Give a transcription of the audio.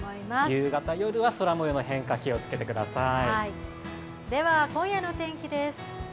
夕方、夜は空もようの変化気をつけてください。